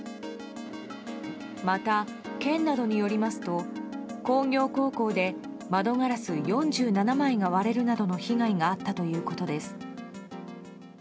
また、県などによりますと工業高校で窓ガラス４７枚が割れるなどの被害があったということです。